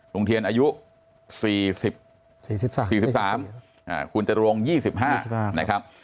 ลุงเทียนอายุ๔๐๔๓คุณจตุรง๒๕นะครับ